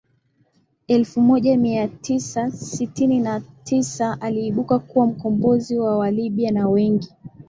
elfu moja mia tisa sitini na tisa aliibukia kuwa mkombozi wa Walibya na wengi